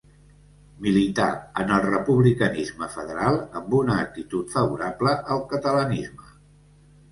Milità en el republicanisme federal, amb una actitud favorable al catalanisme.